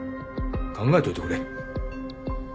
考えといてくれ。